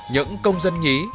những công dân nhí